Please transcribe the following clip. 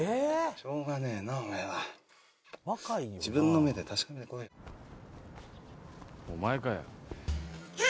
しょうがねえなおめえは自分の目で確かめてこいお前かよ